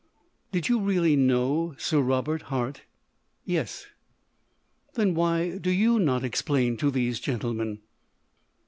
"Did you really know Sir Robert Hart?" "Yes." "Then why do you not explain to these gentlemen?"